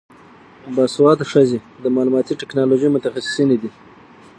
باسواده ښځې د معلوماتي ټیکنالوژۍ متخصصینې دي.